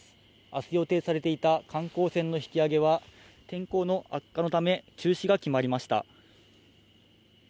あす予定されていた観光船の引き揚げは、天候の悪化のため、中止が決まりました。